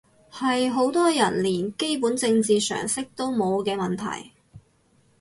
係好多人連基本政治常識都冇嘅問題